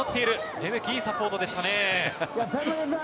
レメキ、いいサポートでしたね。